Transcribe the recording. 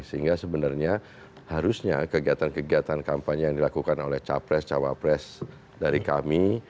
sehingga sebenarnya harusnya kegiatan kegiatan kampanye yang dilakukan oleh capres cawapres dari kami